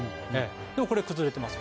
でもこれ崩れてます。